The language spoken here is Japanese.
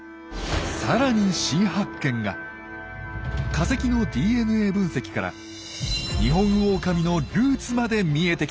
化石のＤＮＡ分析からニホンオオカミのルーツまで見えてきたのです。